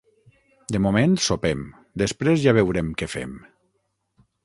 De moment sopem, després ja veurem què fem.